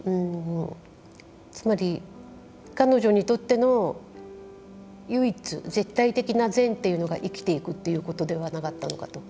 つまり彼女にとっての唯一絶対的な善ということが生きていくということではなかったのかと。